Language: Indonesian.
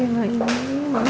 ini enak sekali